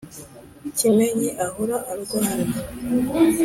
kimenyi ahora arwana,